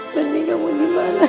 bening kamu dimana nak